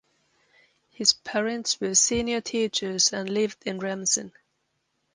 His parents were senior teachers and lived in Ramsen.